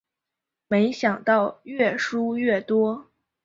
没想到越输越多